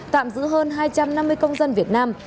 tạm giữ hơn hai trăm năm mươi công dân việt nam